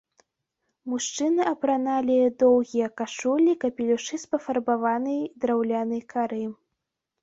Мужчыны апраналі доўгія кашулі, капелюшы з пафарбаванай драўнянай кары.